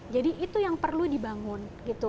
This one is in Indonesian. jadi itu yang perlu dibangun